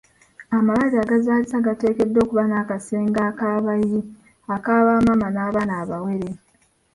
Amalwaliro agazaalisa gateekeddwa okuba n'akasenge ak'abayi aka bamaama n'abaana abawere.